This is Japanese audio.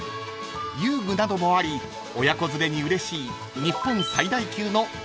［遊具などもあり親子連れにうれしい］